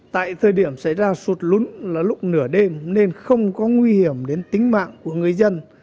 tại thời điểm xảy ra sụt lún là lúc nửa đêm nên không có nguy hiểm đến tính mạng của người dân